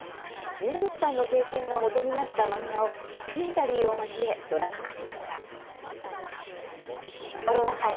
宮口さんの経験がもとになった漫画をドキュメンタリーを交えドラマ化しました。